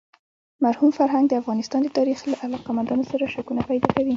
مرحوم فرهنګ د افغانستان د تاریخ له علاقه مندانو سره شکونه پیدا کوي.